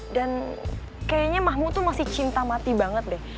dan kayaknya mahmud tuh masih cinta mati banget deh